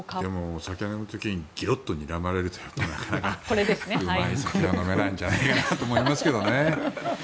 お酒を飲む時にギロッとにらまれるというのはなかなか、うまい酒は飲めないんじゃないかなと思いますけどね。